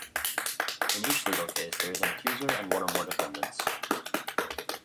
In each legal case there is an accuser and one or more defendants.